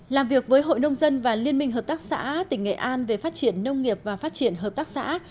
làm việc với hội nông dân và liên minh hợp tác xã tỉnh nghệ an về phát triển nông nghiệp và phát triển hợp tác xã